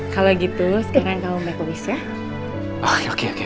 kalau gitu sekarang kamu bitch ya catching huysh ya